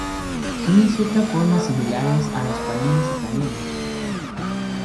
Son en cierta forma similares a los panini italianos.